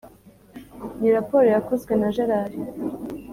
Ni raporo yakozwe na Gerard.